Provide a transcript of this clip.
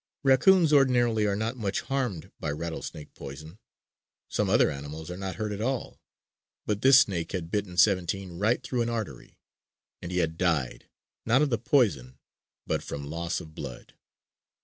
Raccoons ordinarily are not much harmed by rattlesnake poison. Some other animals are not hurt at all. But this snake had bitten "Seventeen" right through an artery; and he had died, not of the poison, but from loss of blood.